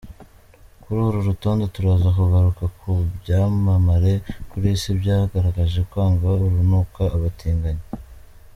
Kuri uru rutonde turaza kugaruka ku byamamare ku isi byagaragaje kwanga urunuka abatinganyi:.